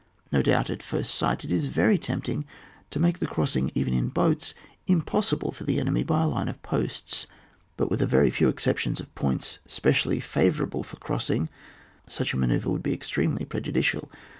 No doubt, at first sight, it is very tempting to make the crossing, even in boats, impossible for the enemy by a line of posts; but with a few exceptions of points, specially favourable for crossing, such a measure would be extremely preju dicial.